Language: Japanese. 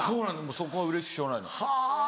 そこがうれしくてしょうがないの。